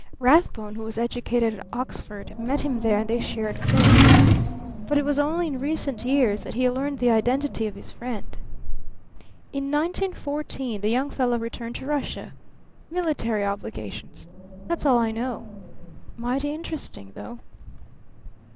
Rathbone, who was educated at Oxford, met him there and they shared quarters. But it was only in recent years that he learned the identity of his friend. In 1914 the young fellow returned to Russia. Military obligations. That's all I know. Mighty interesting, though."